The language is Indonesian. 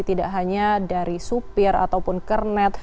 tidak hanya dari supir ataupun kernet